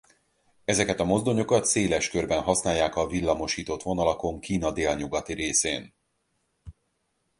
Ezeket a mozdonyokat széles körben használják a villamosított vonalakon Kína délnyugati részén.